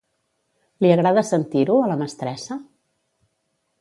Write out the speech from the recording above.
Li agrada sentir-ho, a la mestressa?